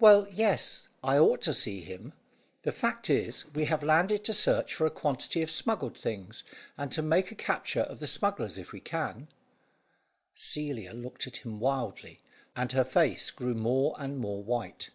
"Well, yes, I ought to see him. The fact is, we have landed to search for a quantity of smuggled things, and to make a capture of the smugglers if we can." Celia looked at him wildly, and her face grew more and more white.